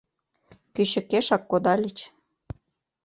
Кӱчыкешак кодальыч.